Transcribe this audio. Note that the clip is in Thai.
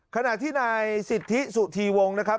ขณะที่นายสิทธิสุธีวงศ์นะครับ